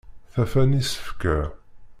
Tafa n isefka.